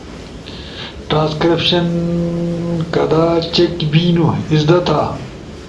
ٹرانسکربشن کدا چیک بینو، ازدا تھا